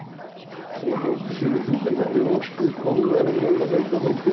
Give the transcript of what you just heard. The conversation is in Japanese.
このジーンズもよくこんなにいろいろ面倒みてもらって。